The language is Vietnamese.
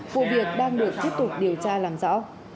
vụ việc đang được tiếp tục điều tra làm rõ